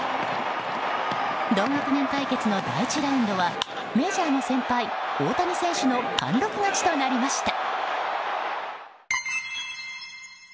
同学年対決の第１ラウンドはメジャーの先輩・大谷選手の貫録勝ちとなりました。